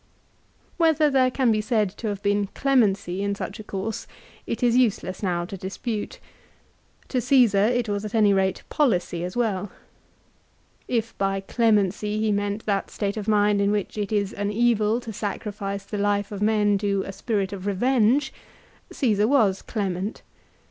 Whether there can be said to have been clemency in such' a course it is useless now to dispute. To Ceesar it was at any rate policy as well. If by clemency he meant that state of mind in which it is an evil to sacrifice the life of men to a spirit of revenge, Caesar was clement.